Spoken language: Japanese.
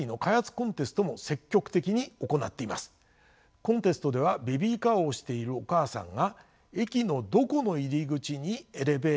コンテストではベビーカーを押しているお母さんが駅のどこの入り口にエレべー